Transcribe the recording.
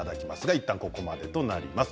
いったんここまでとなります。